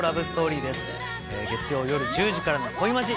月曜夜１０時からの『恋マジ』